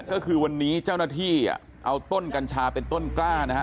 ก็คือวันนี้เจ้าหน้าที่เอาต้นกัญชาเป็นต้นกล้านะฮะ